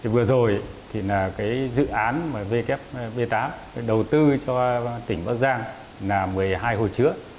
vừa rồi dự án w tám đầu tư cho tỉnh bắc giang là một mươi hai hồ chứa